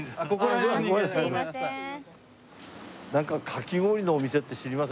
かき氷のお店って知りません？